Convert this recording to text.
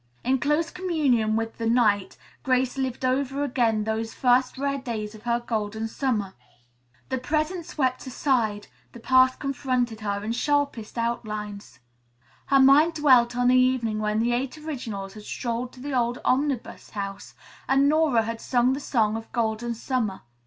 In close communion with the night, Grace lived over again those first rare days of her Golden Summer. The present swept aside, the past confronted her in sharpest outline. Her mind dwelt on the evening when the Eight Originals had strolled to the old Omnibus House and Nora had sung the song of Golden Summer.